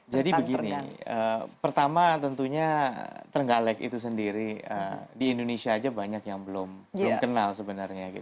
jadi begini pertama tentunya terenggalek itu sendiri di indonesia saja banyak yang belum kenal sebenarnya